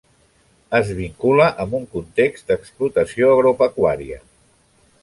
Es vincula amb un context d'explotació agropecuària.